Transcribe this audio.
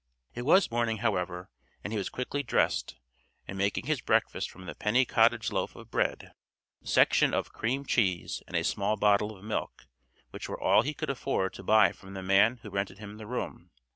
It was morning, however, and he was quickly dressed, and making his breakfast from the penny cottage loaf of bread, section of cream cheese and small bottle of milk, which were all he could afford to buy from the man who rented him the room.